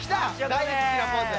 大好きなポーズ。